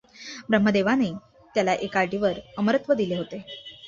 ब्रह्मदेवाने त्याला एका अटीवर अमरत्व दिले होते.